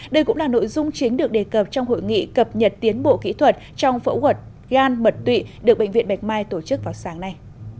đây cũng là nội dung chính được đề cập trong hội nghị cập nhật tiến bộ kỹ thuật trong phẫu thuật gan mật tụy được bệnh viện bạch mai tổ chức vào sáng nay